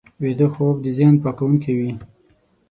ویده خوب د ذهن پاکوونکی وي